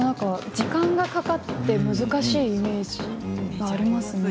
時間がかかって難しいイメージがあります。